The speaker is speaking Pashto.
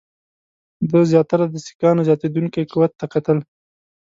ده زیاتره د سیکهانو زیاتېدونکي قوت ته کتل.